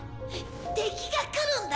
敵が来るんだ。